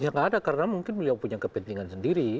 ya nggak ada karena mungkin beliau punya kepentingan sendiri